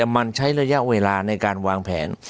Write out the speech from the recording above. มันใช้ระยะเวลาในการวางแผน